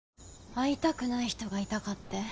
会いたくない人がいたかって？